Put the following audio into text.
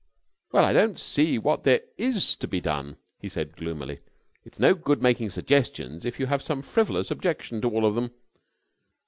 "Well, I don't see what there is to be done," he said, gloomily. "It's no good making suggestions, if you have some frivolous objection to all of them."